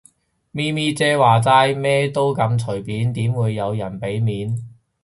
咪咪姐話齋，咩都咁隨便，點會有人俾面